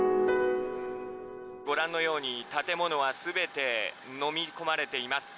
ご覧のように建物は全てのみ込まれています。